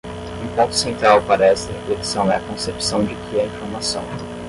Um ponto central para esta reflexão é a concepção de que a informação